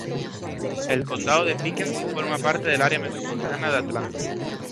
El condado de Pickens forma parte del área metropolitana de Atlanta.